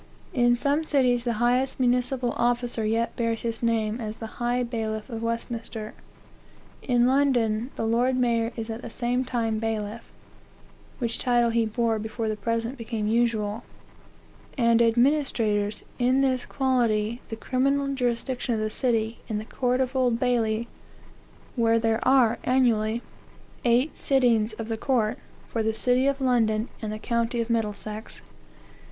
In some cities the highest municipal officer yet bears this name, as the high bailiff of Westminster. In London, the Lord Mayor is at the same time bailiff; (which title he bore before the present became usual,) and administers, in this quality, the criminal jurisdiction of the city, in the court of old Bailey, where there are, annually, eight sittings of the court, for the city of London and the county of Middlesex.